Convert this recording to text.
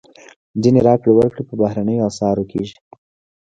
ځینې راکړې ورکړې په بهرنیو اسعارو کېږي.